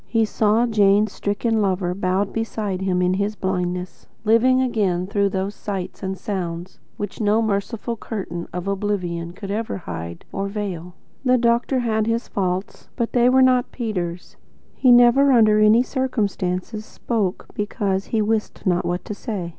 He saw Jane's stricken lover, bowed beside him in his blindness, living again through those sights and sounds which no merciful curtain of oblivion could ever hide or veil. The doctor had his faults, but they were not Peter's. He never, under any circumstances, spoke BECAUSE he wist not what to say.